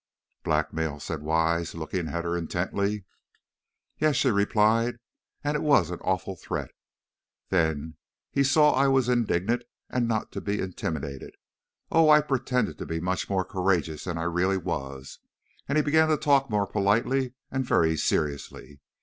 "Blackmail!" said Wise, looking at her intently. "Yes," she replied, "and it was an awful threat! Then, he saw I was indignant and not to be intimidated oh, I pretended to be much more courageous than I really was, and he began to talk more politely and very seriously.